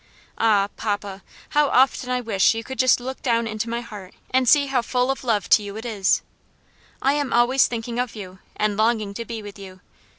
Ah! papa, how often I wish you could just look down into my heart and see how full of love to you it is! I am always thinking of you, and longing to be with you.